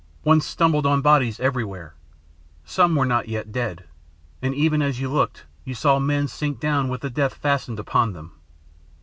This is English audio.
One stumbled on bodies everywhere. Some were not yet dead. And even as you looked, you saw men sink down with the death fastened upon them.